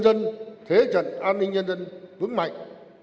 dân thế trận an ninh nhân dân vững mạnh